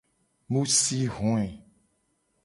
Mu si hoe.